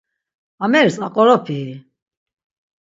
Ameris aqoropii?